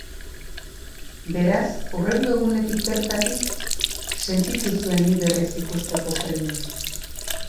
Beraz, hurrengo egunetik bertatik sentitu zuen ni berriz ikusteko premia.